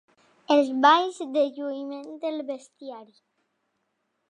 Els balls de lluïment del bestiari.